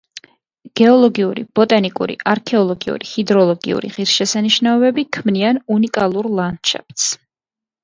გეოლოგიური, ბოტანიკური, არქეოლოგიური, ჰიდროლოგიური ღირსშესანიშნაობები, ქმნიან უნიკალურ ლანდშაფტს.